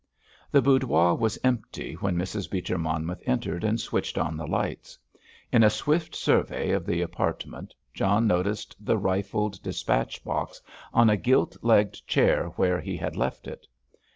The boudoir was empty when Mrs. Beecher Monmouth entered and switched on the lights. In a swift survey of the apartment John noticed the rifled dispatch box on a gilt legged chair where he had left it.